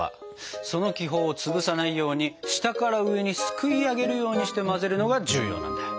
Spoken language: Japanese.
その気泡を潰さないように下から上にすくいあげるようにして混ぜるのが重要なんだ。